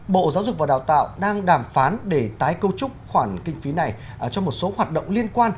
bộ giáo dục và đào tạo đang đàm phán để tái câu trúc khoản kinh phí này cho một số hoạt động liên quan